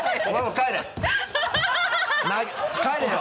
帰れよ！